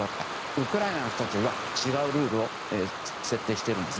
ウクライナの人たちには違うルールを設定してるんです。